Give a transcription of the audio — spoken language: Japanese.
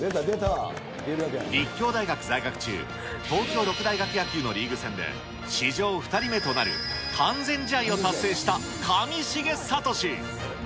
立教大学在学中、東京六大学野球のリーグ戦で、史上２人目となる完全試合を達成した上重聡。